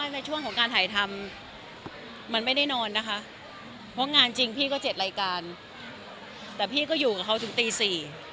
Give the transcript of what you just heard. เพราะงานจริงพี่ก็๗รายการแต่พี่ก็อยู่กับเขาถึงตี๔